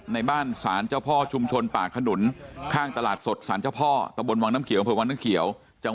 ในบ้านศาลเจ้าพ่อชุมชนป่าขนุนข้างตลาดสดสารเจ้าพ่อตะบนวังน้ำเขียวอำเภอวังน้ำเขียว